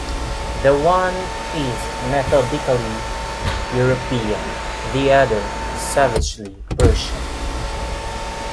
The one is "methodically" European, the other "savagely" Persian".